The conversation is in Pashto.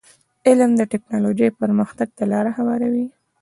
علم د ټکنالوژی پرمختګ ته لار هواروي.